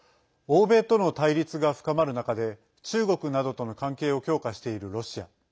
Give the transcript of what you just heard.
欧米との対立が深まる中で中国などとの関係を強化しているロシア。